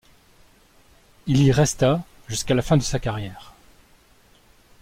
Il y resta jusqu'à la fin de sa carrière.